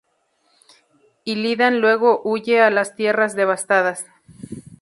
Illidan luego huye a las Tierras Devastadas.